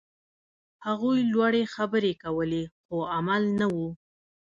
هغوی لوړې خبرې کولې، خو عمل نه و.